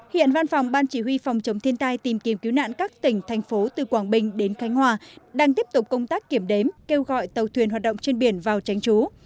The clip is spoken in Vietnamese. hiện văn phòng ban chỉ huy phòng chống thiên tai tìm kiếm cứu nạn các tỉnh thành phố từ quảng bình đến khánh hòa đang tiếp tục công tác kiểm đếm kêu gọi tàu thuyền hoạt động trên biển vào tránh trú